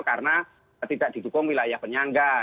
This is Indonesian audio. karena tidak didukung wilayah penyelenggara